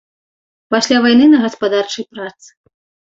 Пасля вайны на гаспадарчай працы.